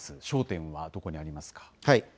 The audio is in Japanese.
焦点はどこにありますか。